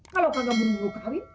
kalo kakak buru buru kawin